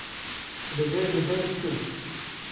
bi lez û bez çûm